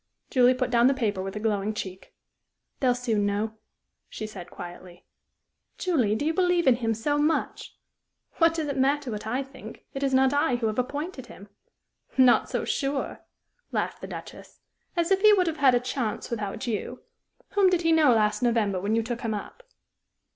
Julie put down the paper with a glowing cheek. "They'll soon know," she said, quietly. "Julie, do you believe in him so much?" "What does it matter what I think? It is not I who have appointed him." "Not so sure," laughed the Duchess. "As if he would have had a chance without you. Whom did he know last November when you took him up?"